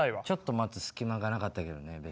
ちょっと待つ隙間がなかったけどね